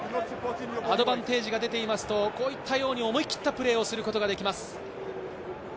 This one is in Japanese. アドバンテージが出ていますとこういったように思い切ったプレーをすることができます。